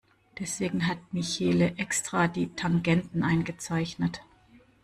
Deswegen hat Michelle extra die Tangenten eingezeichnet.